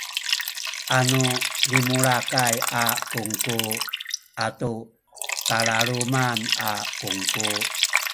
anu limulakay a kungku atu kalaluman a kungku